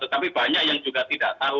tapi banyak yang juga tidak tahu